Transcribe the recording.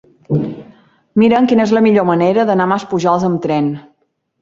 Mira'm quina és la millor manera d'anar a Maspujols amb tren.